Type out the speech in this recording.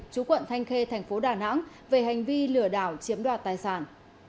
chú quận thanh khê tp đà nẵng về hành vi lửa đảo chiếm đoạt tài sản